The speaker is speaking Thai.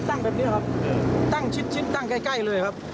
ตั้งแบบเนี้ยครับตั้งชิดชิดตั้งใกล้ใกล้เลยครับ